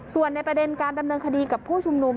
ส่วนในประเด็นการดำเนินคดีกับผู้ชุมนุม